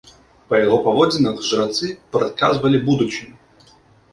Па яго паводзінах жрацы прадказвалі будучыню.